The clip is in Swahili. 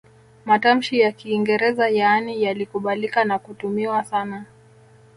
Matamshi ya Kiingereza yaani yalikubalika na kutumiwa sana